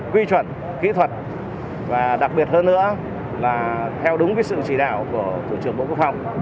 quy chuẩn kỹ thuật và đặc biệt hơn nữa là theo đúng sự chỉ đạo của thủ trưởng bộ quốc phòng